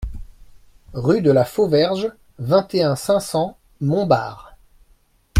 Rue de la Fauverge, vingt et un, cinq cents Montbard